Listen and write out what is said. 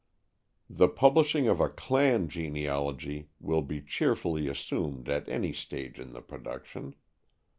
The publishing of a "clan" genealogy will be cheerfully assumed at any stage in the production.